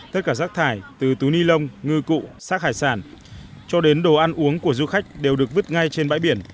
tất cả rác thải từ túi ni lông ngư cụ xác hải sản cho đến đồ ăn uống của du khách đều được vứt ngay trên bãi biển